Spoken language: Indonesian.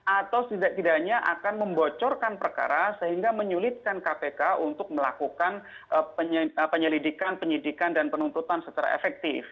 atau setidak tidaknya akan membocorkan perkara sehingga menyulitkan kpk untuk melakukan penyelidikan penyidikan dan penuntutan secara efektif